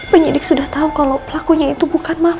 penyidik sudah tahu kalau pelakunya itu bukan mama sa